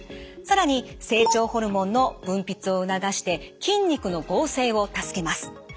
更に成長ホルモンの分泌を促して筋肉の合成を助けます。